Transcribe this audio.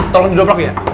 tolong duduk dulu ya